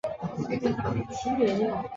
瑞恩也随科恩一家出席。